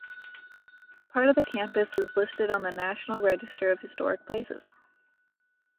Part of the campus is listed on the National Register of Historic Places.